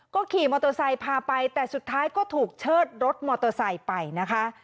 ก็ขี่มอเตอร์ไซค์พาไปแต่สุดท้ายก็ถูกเชิดรถมอเตอร์ไซค์ไปนะคะ